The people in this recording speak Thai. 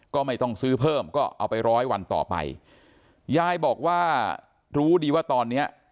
ก็ไม่ต้องซื้อเพิ่มก็เอาไปร้อยวันต่อไปยายบอกว่ารู้ดีว่าตอนเนี้ย